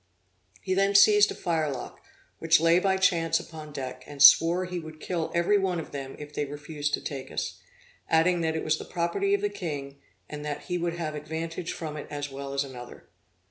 He then seized a firelock, which lay by chance upon deck, and swore he would kill every one of them if they refused to take us, adding that it was the property of the king, and that he would have advantage from it as well as another.